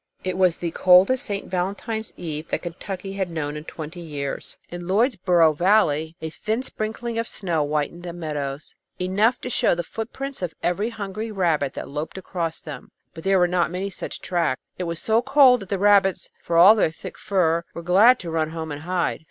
It was the coldest Saint Valentine's eve that Kentucky had known in twenty years. In Lloydsborough Valley a thin sprinkling of snow whitened the meadows, enough to show the footprints of every hungry rabbit that loped across them; but there were not many such tracks. It was so cold that the rabbits, for all their thick fur, were glad to run home and hide.